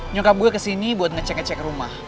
nyukap gue kesini buat ngecek ngecek rumah